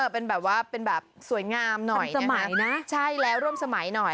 เป็นแบบว่าเป็นแบบสวยงามหน่อยสมัยนะใช่แล้วร่วมสมัยหน่อย